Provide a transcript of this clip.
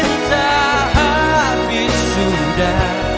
atau kau ingin ku menjauh